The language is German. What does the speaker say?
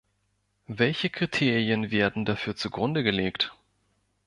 Welche Kriterien werden dafür zugrunde gelegt?